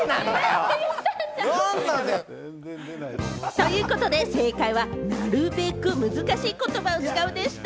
ということで正解は、なるべく難しい言葉を使うでした。